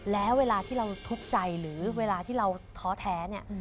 แล้วเวลาที่เราทุกข์ใจหรือเวลาที่เราท้อแท้เนี่ย